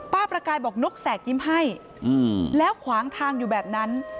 ประกายบอกนกแสกยิ้มให้แล้วขวางทางอยู่แบบนั้น